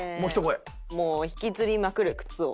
もう引きずりまくる靴を。